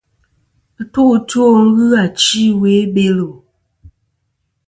Ɨtu ' two ghɨ achi ɨwe i Belo.